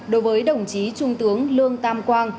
đối với đồng chí trung tướng lương tam quang